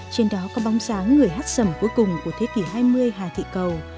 trên đó có bóng dáng người hát sầm cuối cùng của thế kỷ hai mươi hà thị cầu